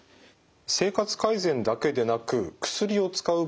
生活改善だけでなく薬を使う場合もありますか？